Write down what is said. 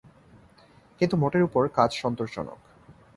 কিন্তু মোটের উপর কাজ সন্তোষজনক।